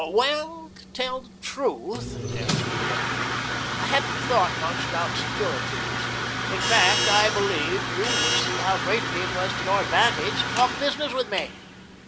"Well, to tell the truth," answered the editor, "I hadn't thought much about securities. In fact, I believed you would see how greatly it was to your advantage to talk business with me.